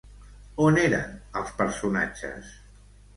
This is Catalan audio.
On eren els personatges?